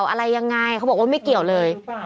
อะไรยังไงเขาบอกว่าไม่เกี่ยวเลย